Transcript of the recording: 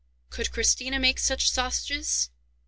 Could Christina make such sausages?